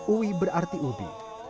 uwi berarti ubi